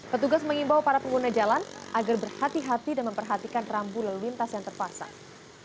petugas mengimbau para pengguna jalan agar berhati hati dan memperhatikan rambu lalu lintas yang terpasang